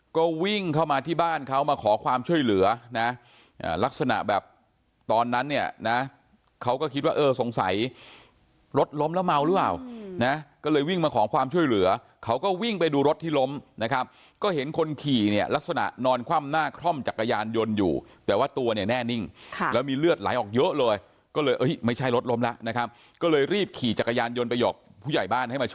เขาวิ่งเข้ามาที่บ้านเขามาขอความช่วยเหลือนะลักษณะแบบตอนนั้นเนี่ยนะเขาก็คิดว่าเออสงสัยรถล้มแล้วเมาหรืออ่าวนะก็เลยวิ่งมาขอความช่วยเหลือเขาก็วิ่งไปดูรถที่ล้มนะครับก็เห็นคนขี่เนี่ยลักษณะนอนคว่ำหน้าคล่อมจักรยานยนต์อยู่แต่ว่าตัวเนี่ยแน่นิ่งแล้วมีเลือดไหลออกเยอะเลยก็เลยไม่ใช่รถล้มนะ